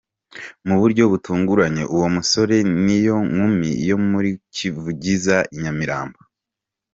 Mu buryo butunguranye, uwo musore n’iyo nkumi yo muri Kivugiza iNyamirambo, .